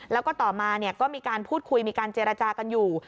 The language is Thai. แล้วก็ต่อมาก็มีการพูดคุยมีการเจรจากันอยู่